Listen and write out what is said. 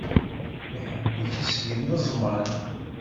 Iḥebbek s yineẓman.